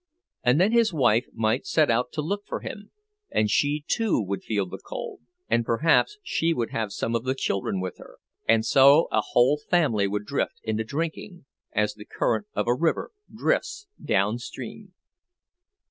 And then his wife might set out to look for him, and she too would feel the cold; and perhaps she would have some of the children with her—and so a whole family would drift into drinking, as the current of a river drifts downstream.